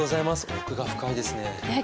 奥が深いですね。